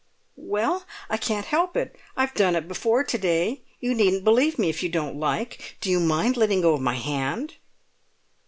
"Well? I can't help it! I've done it before to day; you needn't believe me if you don't like! Do you mind letting go of my hand?"